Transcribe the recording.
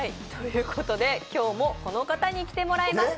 今日もこの方に来てもらいました。